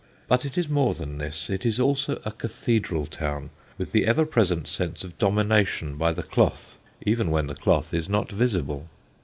But it is more than this: it is also a cathedral town, with the ever present sense of domination by the cloth even when the cloth is not visible.